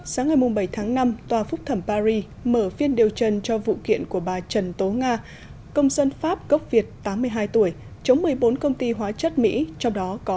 sáng ngày bảy tháng năm tòa phúc thẩm paris mở phiên điều trần cho vụ kiện của bà trần tố nga công dân pháp gốc việt tám mươi hai tháng